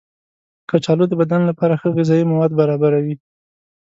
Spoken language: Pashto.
کچالو د بدن لپاره ښه غذايي مواد برابروي.